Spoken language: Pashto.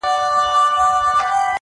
o اوس مي حافظه ډيره قوي گلي.